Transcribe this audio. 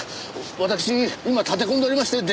私今立て込んでおりまして出来れば。